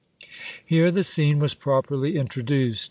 Here the scene was properly introduced.